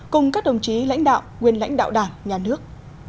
cùng các đồng chí lãnh đạo nguyên lãnh đạo đảng nhà nước